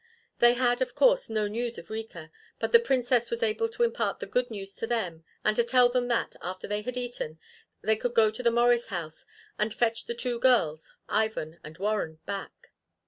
They had of course no news of Rika but the Princess was able to impart the good news to them and to tell them that, after they had eaten, they could go to the Morris house and fetch the two girls, Ivan and Warren back.